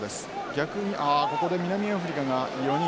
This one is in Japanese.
逆にここで南アフリカが４人。